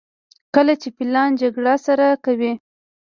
کله چې فیلان جګړه سره کوي.